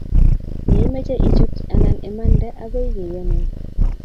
ye imeche ichut anan imande agoi keyonun